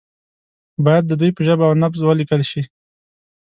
باید د دوی په ژبه او نبض ولیکل شي.